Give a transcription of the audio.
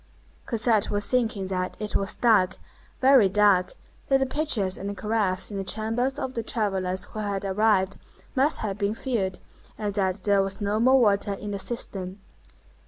Cosette was thinking that it was dark, very dark, that the pitchers and caraffes in the chambers of the travellers who had arrived must have been filled and that there was no more water in the cistern.